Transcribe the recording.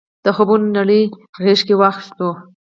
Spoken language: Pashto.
د خوبونو نړۍ غېږ کې واخیستو.